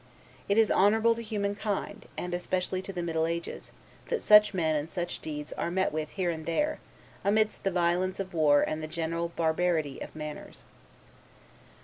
It is honorable to human kind, and especially to the middle ages, that such men and such deeds are met with here and there, amidst the violence of war and the general barbarity of manners.